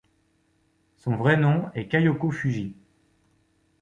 Son vrai nom est Kayoko Fuji.